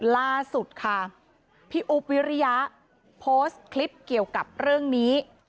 ล่าสุดค่ะพี่อุ๊บวิริยะโพสต์คลิปเกี่ยวกับเรื่องนี้